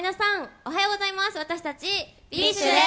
おはようございます。